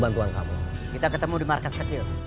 untuk mendapatkan informasi baru